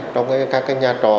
trong các nhà trò